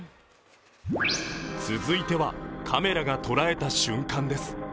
続いてはカメラが捉えた瞬間です。